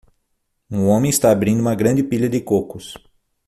O homem está abrindo uma grande pilha de cocos.